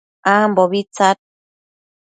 ambobi tsad